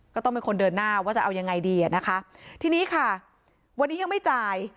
ก็ต้องเป็นคนเดินหน้าว่าจะเอายังไงดีอ่ะนะคะทีนี้ค่ะวันนี้ยังไม่จ่าย